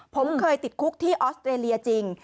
ผมเคยติดคุกที่ออสเตรเลียจริง